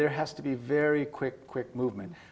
harus bergerak dengan cepat